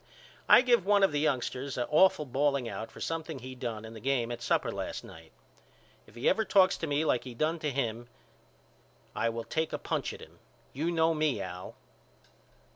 He give one of the youngsters a awful bawling out for something he done in the game at supper last night. If he ever talks to me like he done to him I will take a punch at him. You know me Al.